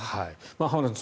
浜田さん